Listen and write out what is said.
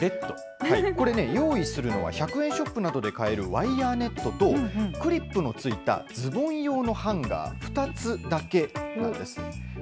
これね、用意するのは１００円ショップなどで買えるワイヤーネットと、クリップの付いたズボン用のハンガー２つだけなんです。